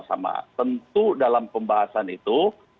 tempat esb terutama itu